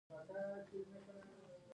افغانستان په ګاز باندې تکیه لري.